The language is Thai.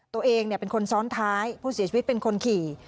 ตัวเองเป็นคนซ้อนท้ายผู้เสียชีวิตเป็นคนขี่